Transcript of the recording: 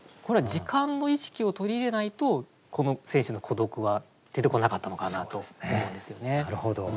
これは時間の意識を取り入れないとこの選手の孤独は出てこなかったのかなと思うんですよね。